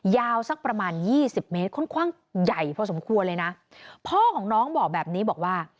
ยาวสักประมาณยี่สิบเมตรค่อนข้างใหญ่พอสมควรเลยนะพ่อของน้องบอกแบบนี้บอกว่า